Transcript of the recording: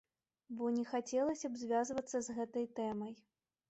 Бо не хацелася б звязвацца з гэтай тэмай.